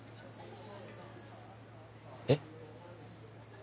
えっ。